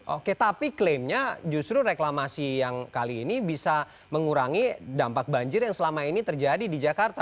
oke tapi klaimnya justru reklamasi yang kali ini bisa mengurangi dampak banjir yang selama ini terjadi di jakarta